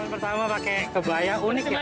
pertama pakai kebaya unik ya